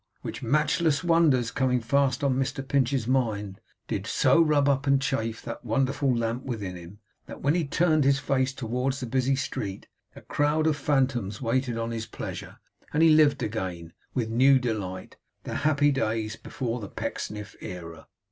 Which matchless wonders, coming fast on Mr Pinch's mind, did so rub up and chafe that wonderful lamp within him, that when he turned his face towards the busy street, a crowd of phantoms waited on his pleasure, and he lived again, with new delight, the happy days before the Pecksniff era.